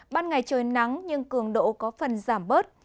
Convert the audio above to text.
ban ngày trời nắng nhưng cường độ có phần giảm bớt